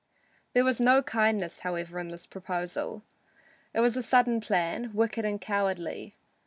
There was no kindness, however, in this proposal. It was a sudden plan, wicked and cowardly.